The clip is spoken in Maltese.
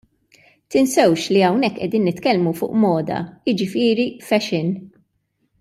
Tinsewx li hawnhekk qegħdin nitkellmu fuq moda, jiġifieri fashion.